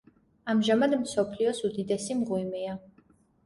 ამჟამად მსოფლიოს უდიდესი მღვიმეა.